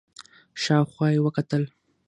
شاو خوا يې وکتل.